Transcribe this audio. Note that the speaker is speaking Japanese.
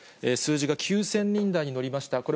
数字が９０００人台に乗りました。